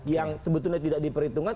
yang sebetulnya tidak diperhitungkan